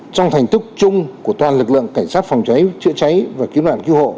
trong thành tích chung của toàn lực lượng cảnh sát phòng cháy chữa cháy và cứu nạn cứu hộ